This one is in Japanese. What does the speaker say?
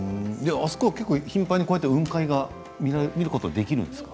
あそこは結構頻繁に雲海を見ることができるんですか。